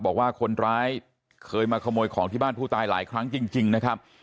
บอกว่าคนร้ายเคยมาขโมยของที่บ้านผู้ตายหลายครั้งจริงนะครับ